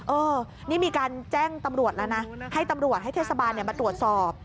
เออนี่มีการแจ้งตำรวจแล้วนะให้ตำรวจให้เทศบาลมาตรวจสอบ